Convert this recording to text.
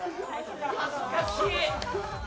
恥ずかしい！